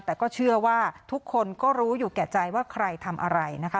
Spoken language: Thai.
แต่ก็เชื่อว่าทุกคนก็รู้อยู่แก่ใจว่าใครทำอะไรนะคะ